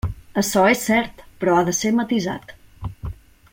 Açò és cert, però ha de ser matisat.